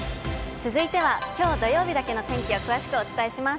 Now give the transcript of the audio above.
続いてはきょう土曜日だけの天気を詳しくお伝えします。